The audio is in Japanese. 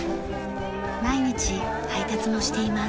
毎日配達もしています。